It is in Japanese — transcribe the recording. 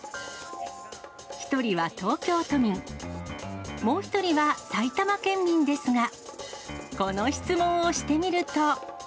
１人は東京都民、もう１人は埼玉県民ですが、この質問をしてみると。